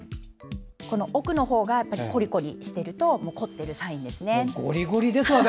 奥のほうがコリコリしていると凝ってるサインですね。